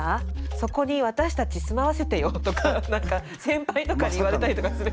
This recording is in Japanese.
そこに私たち住まわせてよ」とか何か先輩とかに言われたりとかする。